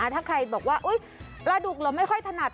ถ้าใครบอกว่าปลาดุกเหรอไม่ค่อยถนัด